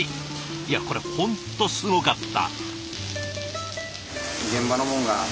いやこれ本当すごかった。